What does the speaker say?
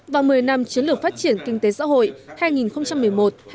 và một mươi năm chiến lược phát triển kinh tế xã hội hai nghìn một mươi một hai nghìn hai mươi